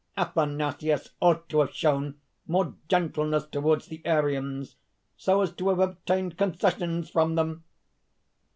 Athanasius ought to have shown more gentleness towards the Arians, so as to have obtained concessions from them.